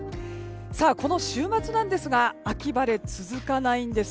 この週末なんですが秋晴れ続かないんです。